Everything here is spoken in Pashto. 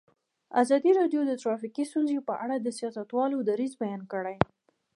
ازادي راډیو د ټرافیکي ستونزې په اړه د سیاستوالو دریځ بیان کړی.